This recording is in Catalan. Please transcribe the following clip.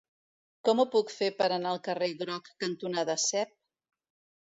Com ho puc fer per anar al carrer Groc cantonada Cep?